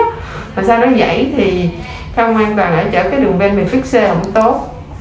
tại sao nó dậy thì không an toàn ở chỗ cái đường ven mình fixer không tốt